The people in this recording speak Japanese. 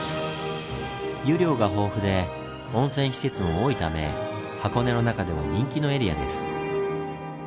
湯量が豊富で温泉施設も多いため箱根の中でも人気のエリアです。